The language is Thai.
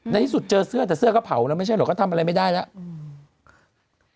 ในที่สุดเจอเสื้อแต่เสื้อก็เผาแล้วไม่ใช่เหรอก็ทำอะไรไม่ได้แล้ว